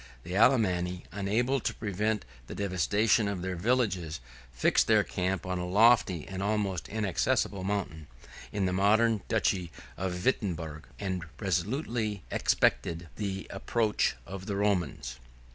The Alemanni, unable to prevent the devastation of their villages, fixed their camp on a lofty, and almost inaccessible, mountain, in the modern duchy of Wirtemberg, and resolutely expected the approach of the Romans.